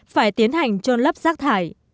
phải tiến hành trôn lấp giác thải